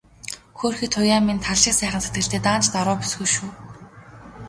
Хөөрхий Туяа минь тал шиг сайхан сэтгэлтэй, даанч даруу бүсгүй шүү.